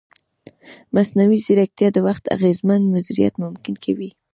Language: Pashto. مصنوعي ځیرکتیا د وخت اغېزمن مدیریت ممکن کوي.